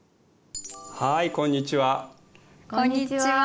はいこんにちは。